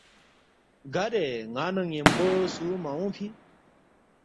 گارے ن٘ا نہ ن٘یمبو سُو مہ اونگفی